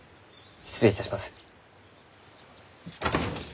失礼いたします。